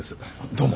どうも。